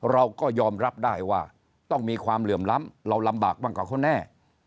เราก็ยอมรับได้ว่าต้องมีความเหลื่อมล้ำเราลำบากบ้างกว่าเขาแน่